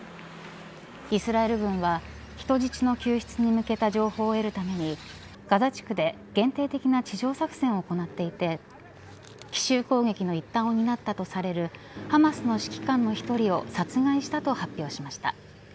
イスラエル軍は人質の救出に向けた情報を得るためにガザ地区で限定的な地上作戦を行っていて奇襲攻撃が一端を担ったとされるハマスの指揮官の一人を殺害したと発表しました。